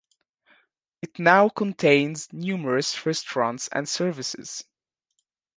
It now contains numerous restaurants and services.